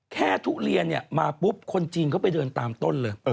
ทุเรียนมาปุ๊บคนจีนเข้าไปเดินตามต้นเลย